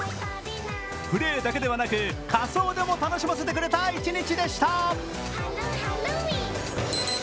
プレーだけではなく仮装でも楽しませてくれた一日でした。